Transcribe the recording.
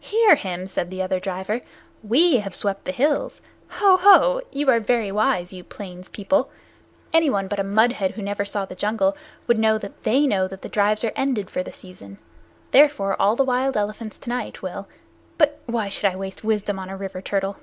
"Hear him!" said the other driver. "We have swept the hills! Ho! Ho! You are very wise, you plains people. Anyone but a mud head who never saw the jungle would know that they know that the drives are ended for the season. Therefore all the wild elephants to night will but why should I waste wisdom on a river turtle?"